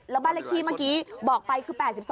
แล้วบ้านเลขที่เมื่อกี้บอกไปคือ๘๒